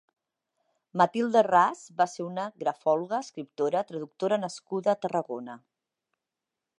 Matilde Ras va ser una grafòloga, escriptora, traductora nascuda a Tarragona.